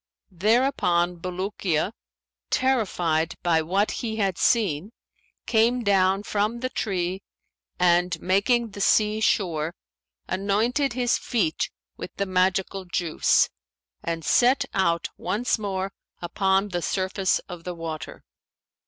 Thereupon Bulukiya, terrified by what he had seen, came down from the tree and, making the sea shore, anointed his feet with the magical juice, and set out once more upon the surface of the water.